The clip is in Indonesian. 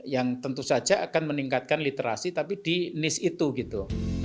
yang tentu saja akan meningkatkan literasi tapi di nis itu gitu